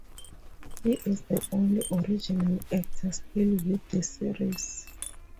He is the only original actor still with the series.